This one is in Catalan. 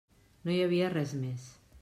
No hi havia res més.